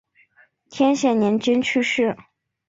天显年间去世。